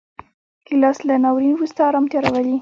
ګیلاس له ناورین وروسته ارامتیا راولي.